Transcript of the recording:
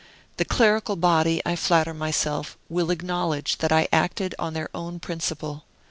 The clerical body, I flatter myself, will acknowledge that I acted on their own principle.